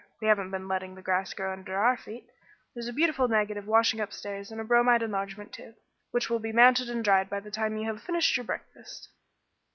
We haven't been letting the grass grow under our feet. There's a beautiful negative washing upstairs and a bromide enlargement too, which will be mounted and dried by the time you have finished your breakfast."